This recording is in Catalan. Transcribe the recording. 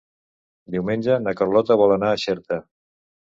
Diumenge na Carlota vol anar a Xerta.